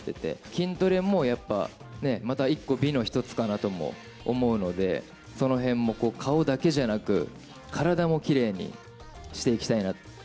筋トレもやっぱね、また１個、美の１つかなとも思うので、その辺も、顔だけじゃなく、体もきれいにしていきたいな。